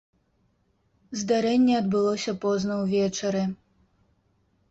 Здарэнне адбылося позна ўвечары.